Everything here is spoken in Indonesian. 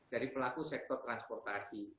dari pelaku sektor transportasi